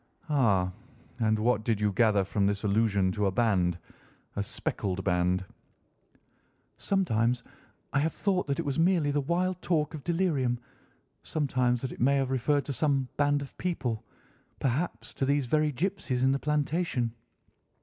"Ah, and what did you gather from this allusion to a band—a speckled band?" "Sometimes I have thought that it was merely the wild talk of delirium, sometimes that it may have referred to some band of people, perhaps to these very gipsies in the plantation.